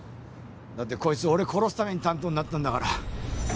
だってこいつ俺を殺すために担当になったんだから。